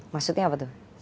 maksudnya apa tuh